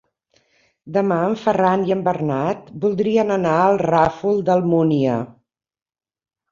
Demà en Ferran i en Bernat voldrien anar al Ràfol d'Almúnia.